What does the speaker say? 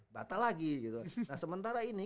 batal lagi gitu nah sementara ini